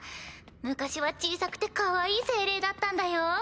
昔は小さくてかわいい精霊だったんだよ。